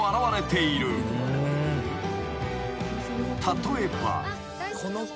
［例えば］